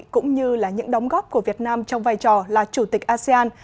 cũng như là những đóng góp của việt nam trong vai trò là chủ tịch asean